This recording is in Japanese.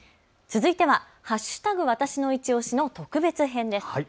続いては＃わたしのいちオシの特別編です。